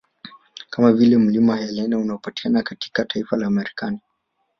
Kama vile mlima Helena unaopatikana katika taifa la Marekani